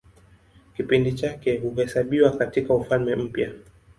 Kipindi chake huhesabiwa katIka Ufalme Mpya.